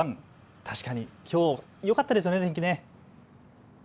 確かにきょうよかったですよね、天気。